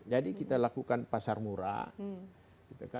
jadi kita lakukan pasar murah